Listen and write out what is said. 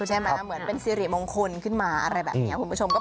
ใช่มั้ยเหมือนเป็นซีรีย์มงคลขึ้นมาอะไรแบบนี้